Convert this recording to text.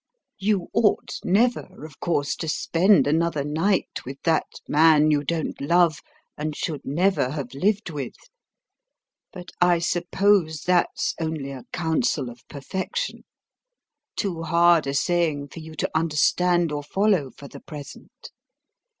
"You ought never, of course, to spend another night with that man you don't love and should never have lived with. But I suppose that's only a counsel of perfection: too hard a saying for you to understand or follow for the present.